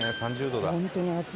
３０度だ。